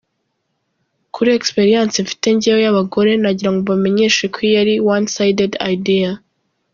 Kuri experience mfite njyewe yabagore, nagirango mbamenyeshe ko iyi ari one sided idea.